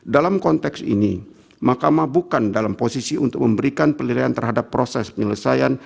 dalam konteks ini makamah bukan dalam posisi untuk memberikan penilaian terhadap proses penyelesaian